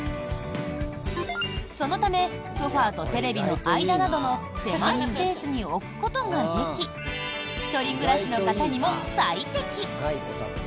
そのためソファとテレビの間などの狭いスペースに置くことができ１人暮らしの方にも最適。